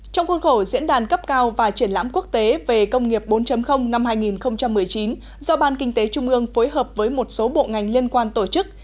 trong khuôn khổ diễn đàn cấp cao và triển lãm quốc tế về công nghiệp bốn năm hai nghìn một mươi chín do ban kinh tế trung ương phối hợp với một số bộ ngành liên quan tổ chức